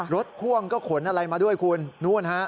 พ่วงก็ขนอะไรมาด้วยคุณนู่นฮะ